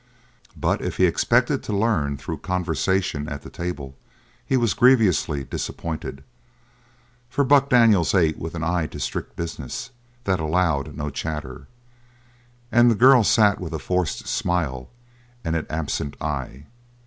But if he expected to learn through conversation at the table he was grievously disappointed, for Buck Daniels ate with an eye to strict business that allowed no chatter, and the girl sat with a forced smile and an absent eye.